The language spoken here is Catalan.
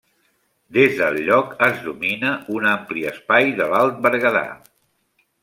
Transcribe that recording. Des del lloc es domina un ampli espai de l'Alt Berguedà.